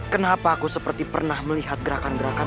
kenapa aku seperti pernah melihat gerakan gerakan